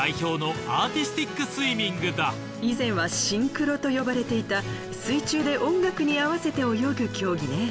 以前はシンクロと呼ばれていた水中で音楽に合わせて泳ぐ競技ね。